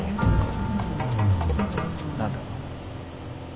何だ？